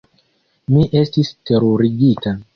Mi estis terurigita.